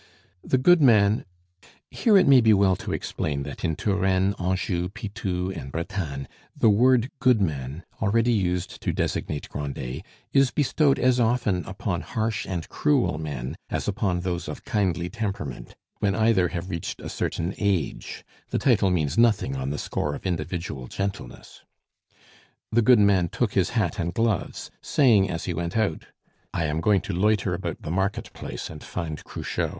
The goodman here it may be well to explain that in Touraine, Anjou, Pitou, and Bretagne the word "goodman," already used to designate Grandet, is bestowed as often upon harsh and cruel men as upon those of kindly temperament, when either have reached a certain age; the title means nothing on the score of individual gentleness the goodman took his hat and gloves, saying as he went out, "I am going to loiter about the market place and find Cruchot."